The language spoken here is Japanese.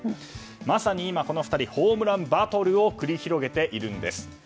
まさに今、この２人はホームランバトルを繰り広げているんです。